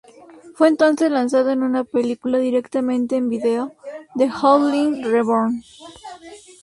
Fue entonces lanzado en una película directamente en vídeo, "The Howling: Reborn".